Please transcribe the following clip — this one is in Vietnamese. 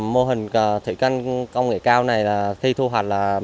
mô hình thủy canh công nghệ cao này là khi thu hoạch là